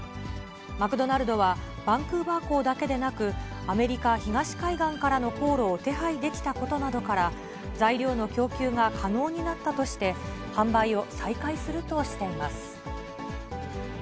マクドナルドは、バンクーバー港だけでなく、アメリカ東海岸からの航路を手配できたことなどから、材料の供給が可能になったとして、販売を再開するとしています。